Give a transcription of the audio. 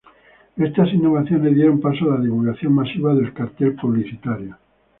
Estas innovaciones dieron paso a la divulgación masiva del cartel publicitario.